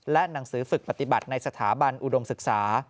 และหนังสือฝึกปฏิบัติในสถาบันอุดมศึกษา